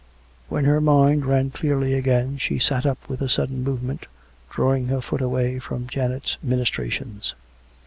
When her mind ran clearly again, she sat up with a sudden movement, drawing her foot away from Janet's ministrations.